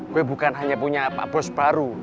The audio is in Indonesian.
gue bukan hanya punya bos baru